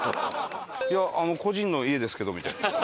「いや個人の家ですけど」みたいな。